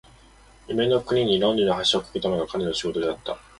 夢の国に論理の橋を架けたのが彼の仕事であった。